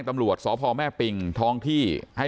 ท่านดูเหตุการณ์ก่อนนะครับ